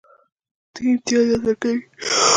دوی امتیازات ورکوي.